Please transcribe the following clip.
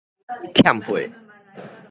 欠貨